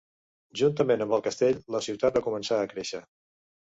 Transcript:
Juntament amb el castell, la ciutat va començar a créixer.